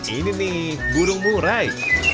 ini nih burung murai